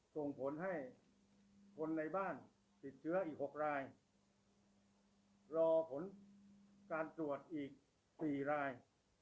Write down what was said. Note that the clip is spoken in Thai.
ส่งผลให้คนในบ้านติดเชื้ออีก๖รายรอผลการตรวจอีก๔ราย